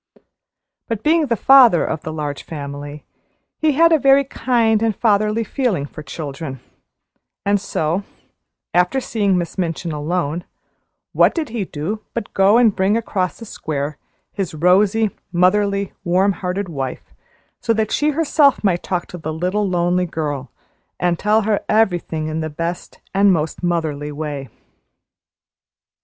But, being the father of the Large Family, he had a very kind and fatherly feeling for children; and so, after seeing Miss Minchin alone, what did he do but go and bring across the square his rosy, motherly, warm hearted wife, so that she herself might talk to the little lonely girl, and tell her everything in the best and most motherly way.